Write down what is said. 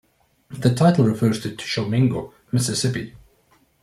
The title refers to Tishomingo, Mississippi.